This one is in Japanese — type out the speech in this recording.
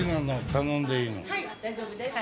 はい大丈夫です。